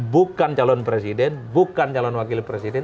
bukan calon presiden bukan calon wakil presiden